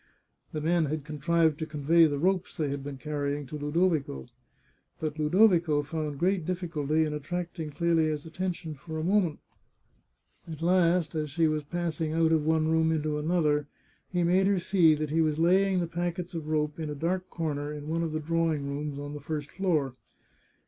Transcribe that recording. The men had contrived to convey the ropes they had been carrying to Ludovico. But Ludovico found great dif ficulty in attracting Clelia's attention for a moment. At last, as she was passing out of one room into another, he made 398 The Chartreuse of Parma her see that he was laying the packets of rope in a dark corner in one of the drawing rooms on the first floor.